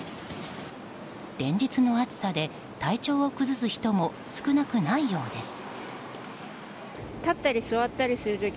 連日の暑さで体調を崩す人も少なくないようです。